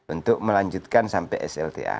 untuk melanjutkan sampai slta